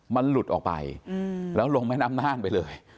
มันหลุดออกไปแล้วลงแม่น้ำน่านไปเลย